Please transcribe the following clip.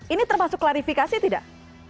ini termasuk klarifikasi tidak